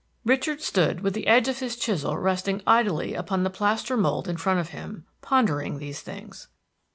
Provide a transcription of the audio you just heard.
Richard stood with the edge of his chisel resting idly upon the plaster mold in front of him, pondering these things.